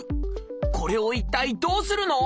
これを一体どうするの？